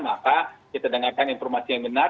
maka kita dengarkan informasi yang benar